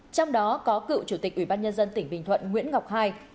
trong đó có cựu chủ tịch ủy ban nhân dân tỉnh bình thuận nguyễn ngọc hai